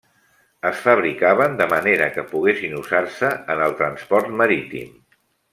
Es fabricaven de manera que poguessin usar-se en el transport marítim.